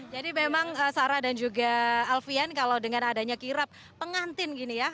jadi memang sarah dan juga alfian kalau dengan adanya kirap pengantin gini ya